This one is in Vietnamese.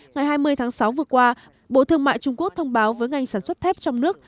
ngày hai mươi tháng sáu vừa qua bộ thương mại trung quốc thông báo với ngành sản xuất thép trong nước